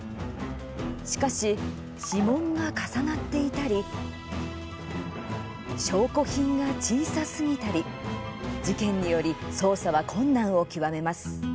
しかし、指紋が重なっていたり証拠品が小さすぎたり事件により捜査は困難を極めます。